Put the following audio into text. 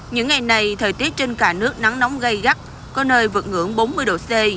những ngày này thời tiết trên cả nước nắng nóng gây gắt có nơi vượt ngưỡng bốn mươi độ c